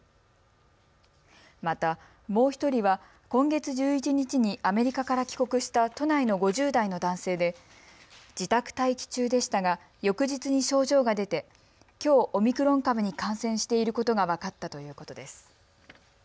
また、もう１人は今月１１日にアメリカから帰国した都内の５０代の男性で自宅待機中でしたが翌日に症状が出てきょうオミクロン株に感染していることが分かったということです。